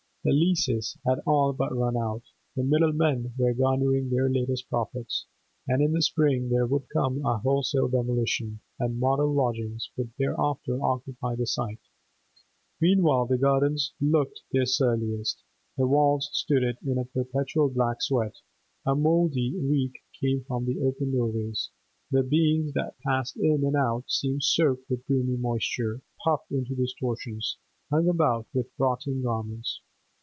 The leases had all but run out; the middlemen were garnering their latest profits; in the spring there would come a wholesale demolition, and model lodgings would thereafter occupy the site. Meanwhile the Gardens looked their surliest; the walls stood in a perpetual black sweat; a mouldy reek came from the open doorways; the beings that passed in and out seemed soaked with grimy moisture, puffed into distortions, hung about with rotting garments.